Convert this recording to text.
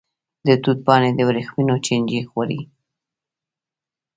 د توت پاڼې د وریښمو چینجی خوري.